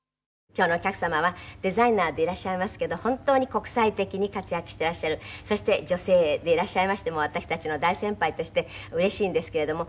今日のお客様はデザイナーでいらっしゃいますけど本当に国際的に活躍していらっしゃるそして女性でいらっしゃいまして私たちの大先輩として嬉しいんですけれども。